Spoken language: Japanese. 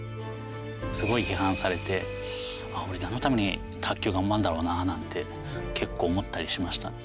すごい批判されて俺、何のために卓球頑張るんだろうななんて結構思ったりしましたね。